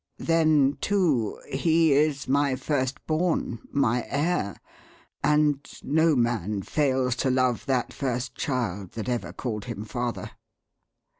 Then, too, he is my first born, my heir, and no man fails to love that first child that ever called him father."